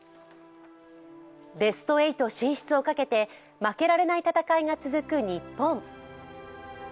ベスト８進出をかけて負けられない戦いが続く日本。